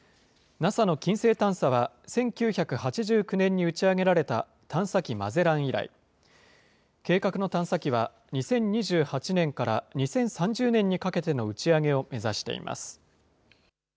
ＮＡＳＡの金星探査は、１９８９年に打ち上げられた探査機マゼラン以来、計画の探査機は２０２８年から２０３０年にかけての打ち上げを目指しています。